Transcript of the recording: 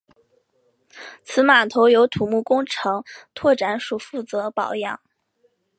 此码头由土木工程拓展署负责保养。